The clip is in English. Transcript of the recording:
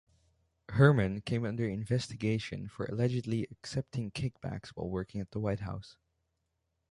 Herman came under investigation for allegedly accepting kickbacks while working at the White House.